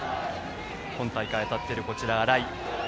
今大会、当たっている荒居。